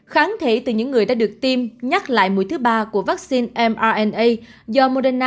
kháng thể từ những người đã được tiêm nhắc lại mũi thứ ba của vaccine mna do moderna